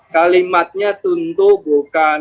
kalimatnya tentu bukan